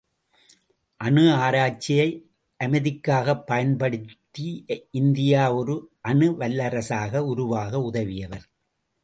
அணு ஆராய்ச்சியை அமைதிக்காகப் பயன்படுத்தி இந்தியா ஒரு அணு வல்லரசாக உருவாக உதவியவர்.